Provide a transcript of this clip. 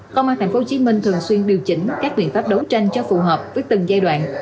công an tp hcm thường xuyên điều chỉnh các biện pháp đấu tranh cho phù hợp với từng giai đoạn